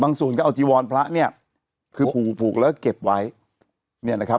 บางส่วนก็เอาจีวรพระเนี้ยคือผูกแล้วเก็บไว้เนี้ยนะครับ